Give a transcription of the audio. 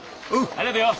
ありがとよ！